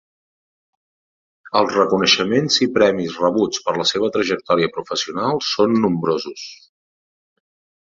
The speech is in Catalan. Els reconeixements i premis rebuts per la seva trajectòria professional són nombrosos.